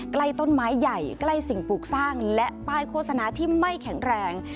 ใกล้ต้นไม้ใหญ่ใกล้สิ่งปลูกสร้างและป้ายโฆษณาที่ไม่แข็งแรง